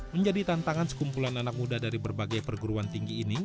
menjadi tantangan sekumpulan anak muda dari berbagai perguruan tinggi ini